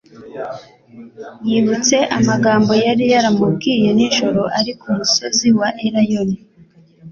yibutse amagambo yari yaramubwiye nijoro ari ku musozi wa Elayono